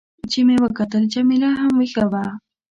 چې مې کتل، جميله هم وېښه وه.